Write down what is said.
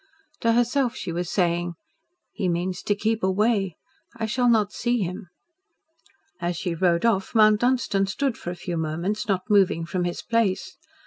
To herself she was saying: "He means to keep away. I shall not see him." As she rode off Mount Dunstan stood for a few moments, not moving from his place.